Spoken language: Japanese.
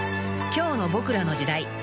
［今日の『ボクらの時代』］